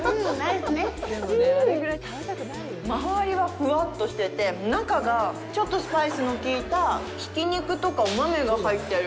回りはふわってしてて、中が、ちょっとスパイスの効いたひき肉とかお豆が入ってる。